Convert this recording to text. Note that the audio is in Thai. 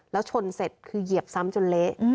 แล้วชนเสร็จคือเหยียบซ้ำจนเละ